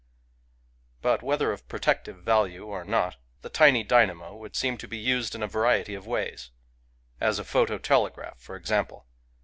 But whether of protective value or not, the tiny dynamo would seem to be used in a variety of ways, — as a photo telegraph, for example.